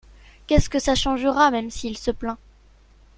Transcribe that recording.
Qu’est ce que ça changera même s’il se plaint.